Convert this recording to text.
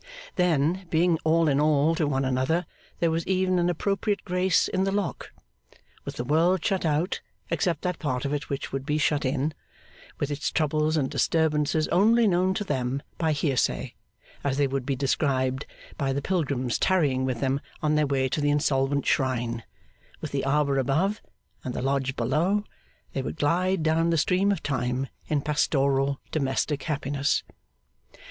Then, being all in all to one another, there was even an appropriate grace in the lock. With the world shut out (except that part of it which would be shut in); with its troubles and disturbances only known to them by hearsay, as they would be described by the pilgrims tarrying with them on their way to the Insolvent Shrine; with the Arbour above, and the Lodge below; they would glide down the stream of time, in pastoral domestic happiness.